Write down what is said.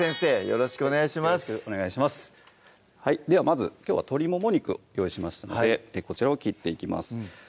よろしくお願いしますではまずきょうは鶏もも肉を用意しましたのでこちらを切っていきます